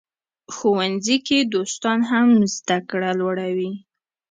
ښوونځي کې دوستان هم زده کړه لوړوي.